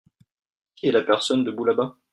Qui est la personne debout là-bas ?